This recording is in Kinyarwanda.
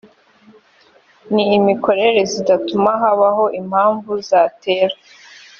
n imikorere zidatuma habaho impamvu zatera